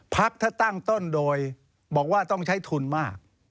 พักถ้าตั้งต้นโดยบอกว่าต้องใช้ทุนมาก